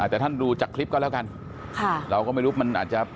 แต่ท่านดูจากคลิปก็แล้วกันเราก็ไม่รู้มันอาจจะ